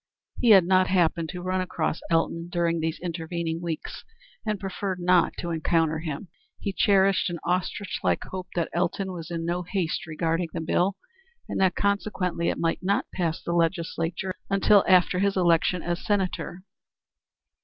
He had not happened to run across Elton during these intervening weeks, and preferred not to encounter him. He cherished an ostrich like hope that Elton was in no haste regarding the bill, and that consequently it might not pass the legislature until after his election as Senator.